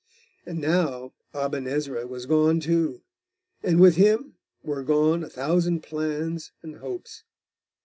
And now Aben Ezra was gone too, and with him were gone a thousand plans and hopes.